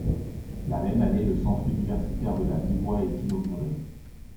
La même année, le centre universitaire de la Mi-Voix est inauguré.